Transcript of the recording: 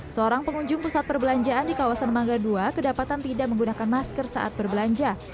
seorang pengunjung pusat perbelanjaan di kawasan mangga ii kedapatan tidak menggunakan masker saat berbelanja